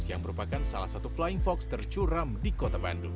yang merupakan salah satu flying fox tercuram di kota bandung